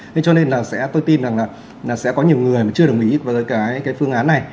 thế cho nên là tôi tin rằng là sẽ có nhiều người mà chưa đồng ý với cái phương án này